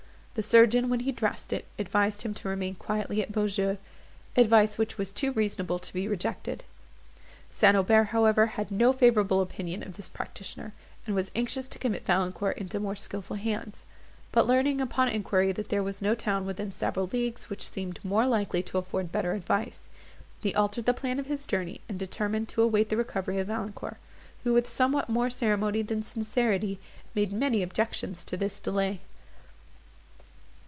The surgeon, when he dressed it, advised him to remain quietly at Beaujeu; advice which was too reasonable to be rejected. St. Aubert, however, had no favourable opinion of this practitioner, and was anxious to commit Valancourt into more skilful hands; but learning, upon enquiry, that there was no town within several leagues which seemed more likely to afford better advice, he altered the plan of his journey, and determined to await the recovery of Valancourt, who, with somewhat more ceremony than sincerity, made many objections to this delay.